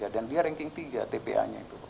dan dia ranking tiga tpa nya itu